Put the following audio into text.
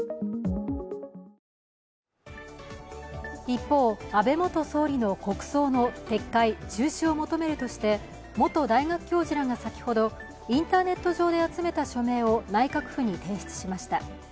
一方、安倍元総理の国葬の撤回・中止を求めるとして元大学教授らが先ほどインターネット上で集めた署名を内閣府に提出しました。